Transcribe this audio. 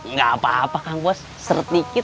nggak apa apa kang saya seret sedikit